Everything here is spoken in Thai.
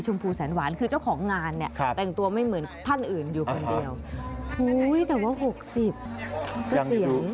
โอ้โฮแต่ว่า๖๐เป็นเป็นเสียง